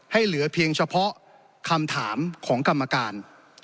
เหลือเพียงเฉพาะคำถามของกรรมการ